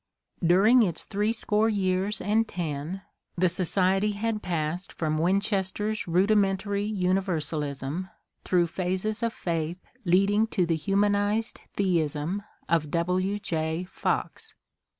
During its threescore years and ten the society had passed from Win chester's rudimentary universalism through phases of faith leading to the humanized theism of W. J. Fox.